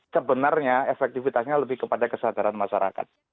sebenarnya efektivitasnya lebih kepada kesadaran masyarakat